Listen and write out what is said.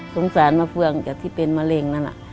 สารมะเฟืองจากที่เป็นมะเร็งนั่นน่ะ